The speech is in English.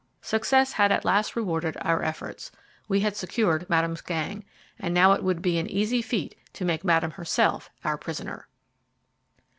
Success had at last rewarded our efforts. We had secured Madame's gang, and now it would be an easy feat to make Madame herself our prisoner.